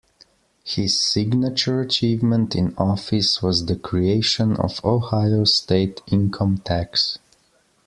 His signature achievement in office was the creation of Ohio's state income tax.